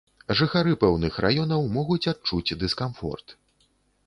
Жыхары пэўных раёнаў могуць адчуць дыскамфорт.